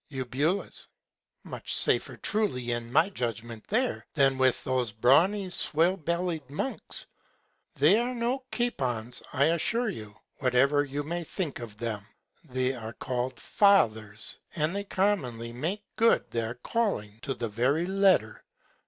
Eu. Much safer truly in my Judgment there, than with those brawny, swill belly'd Monks. They are no Capons, I'll assure you, whatever you may think of them. They are call'd Fathers, and they commonly make good their Calling to the very Letter.